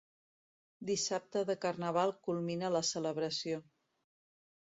Dissabte de Carnaval culmina la celebració.